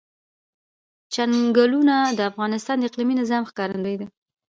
چنګلونه د افغانستان د اقلیمي نظام ښکارندوی ده.